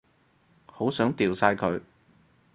好想掉晒佢